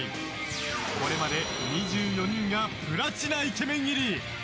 これまで２４人がプラチナイケメン入り。